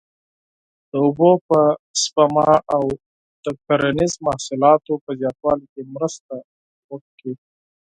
د اوبو په سپما او د کرنیزو محصولاتو په زیاتوالي کې مرسته وکړي.